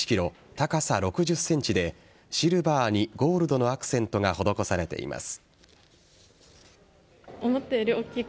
高さ６０ｃｍでシルバーにゴールドのアクセントが施されています。